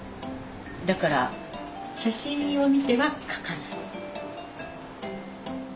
だから写真を見ては描かない。